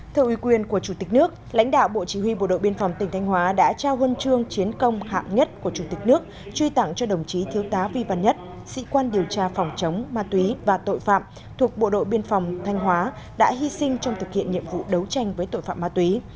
thưa uy quyền của chủ tịch nước lãnh đạo bộ chỉ huy bộ đội biên phòng tỉnh thanh hóa đã trao huân chương chiến công hạng nhất của chủ tịch nước truy tặng cho đồng chí thiếu tá vi văn nhất sĩ quan điều tra phòng chống ma túy và tội phạm thuộc bộ đội biên phòng thanh hóa đã hy sinh trong thực hiện nhiệm vụ đấu tranh với tội phạm ma túy